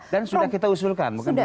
dan sudah kita usulkan